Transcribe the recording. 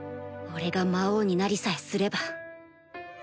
俺が魔王になりさえすれば